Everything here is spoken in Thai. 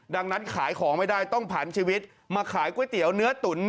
ดังนั้นขายของไม่ได้ต้องผ่านชีวิตมาขายก๋วยเตี๋ยวเนื้อตุ๋น